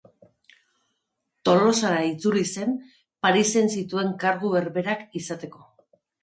Tolosara itzuli zen Parisen zituen kargu berberak izateko.